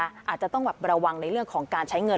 อาจจะต้องแบบระวังในเรื่องของการใช้เงิน